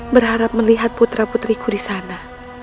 berharap melihat putra putriku disana